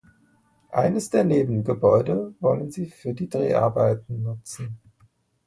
Eines der Nebengebäude wollen sie für die Dreharbeiten nutzen.